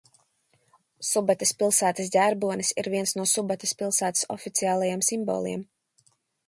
Subates pilsētas ģerbonis ir viens no Subates pilsētas oficiālajiem simboliem.